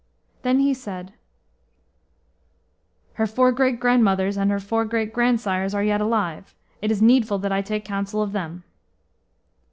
Then he said, "Her four great grandmothers and her four great grandsires are yet alive; it is needful that I take counsel of them."